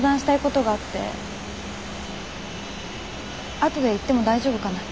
あとで行っても大丈夫かなあ。